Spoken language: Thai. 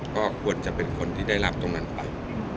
ก็ควรจะเป็นคนที่ได้รับตรงนั้นไป